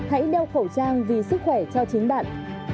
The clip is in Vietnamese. hãy đeo khẩu trang vì sức khỏe cho chính bạn